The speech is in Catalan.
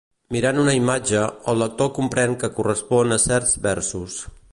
Mirant una imatge, el lector comprèn que correspon a certs versos.